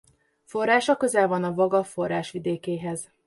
Forrása közel van a Vaga forrásvidékéhez.